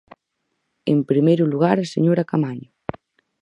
En primeiro lugar, a señora Caamaño.